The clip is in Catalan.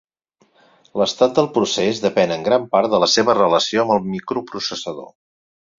L'estat del procés depèn en gran part de la seva relació amb el microprocessador.